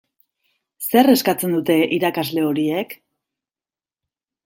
Zer eskatzen dute irakasle horiek?